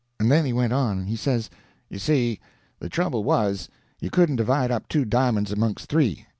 And then he went on. He says: "You see, the trouble was, you couldn't divide up two di'monds amongst three.